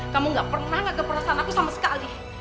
kamu gak pernah gak ngeperasaan aku sama sekali